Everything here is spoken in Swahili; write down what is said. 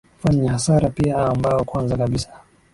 ufanyi hasara pia aa ambao kwanza kabisa